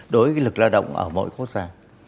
đối với lực lao động ở mọi quốc gia